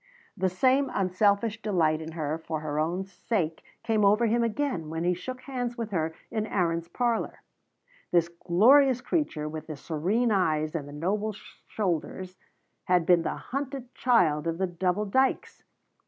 The same unselfish delight in her for her own sake came over him again when he shook hands with her in Aaron's parlor. This glorious creature with the serene eyes and the noble shoulders had been the hunted child of the Double Dykes!